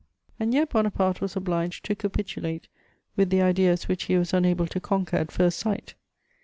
And yet Bonaparte was obliged to capitulate with the ideas which he was unable to conquer at first sight.